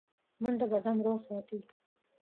منډه بدن روغ ساتي